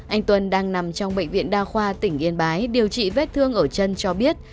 anh tuân đang nằm trong bệnh viện đa khoa tỉnh yên bái điều trị vết thương ở chân cho biết